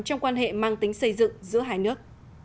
trong quan hệ mang tính xây dựng giữa hai nước